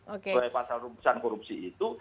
oleh pasar rupusan korupsi itu